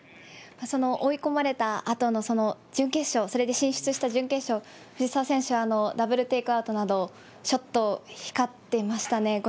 その追い込まれたあとのその準決勝、それで進出した準決勝、藤澤選手、ダブルテイクアウトなど、ショット光ってましたね。